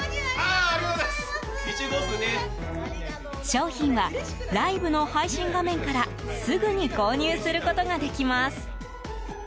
商品はライブの配信画面からすぐに購入することができます。